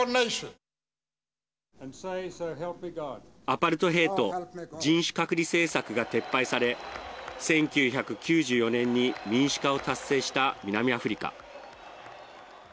アパルトヘイト＝人種隔離政策が撤廃され１９９４年に民主化を達成した南アフリカ。